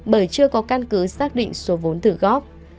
bởi chưa có căn cứ xác định số vốn thử góp